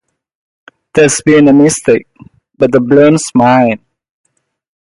There's been a mistake, but the blame's mine.